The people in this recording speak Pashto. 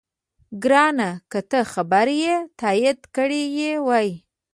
ګرانه! که تا خبرې تایید کړې وای،